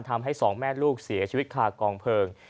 ทำให้สองแม่ลูกเสียชีวิตคากองเพลิง